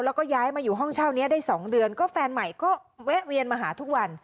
แล้วก็ย้ายมาอยู่ห้องเช่านี้ได้๒เดือนก็แฟนใหม่ก็แวะเวียนมาหาทุกวัน